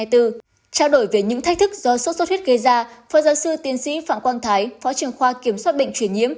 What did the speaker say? trao đổi về những thách thức do sốt xuất huyết gây ra phó giáo sư tiến sĩ phạm quang thái phó trưởng khoa kiểm soát bệnh truyền nhiễm